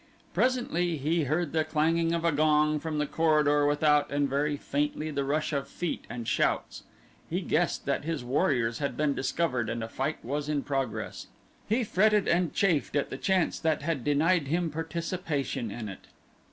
Presently he heard the clanging of a gong from the corridor without and very faintly the rush of feet, and shouts. He guessed that his warriors had been discovered and a fight was in progress. He fretted and chafed at the chance that had denied him participation in it.